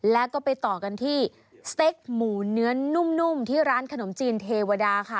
แล้วก็ไปต่อกันที่สเต็กหมูเนื้อนุ่มที่ร้านขนมจีนเทวดาค่ะ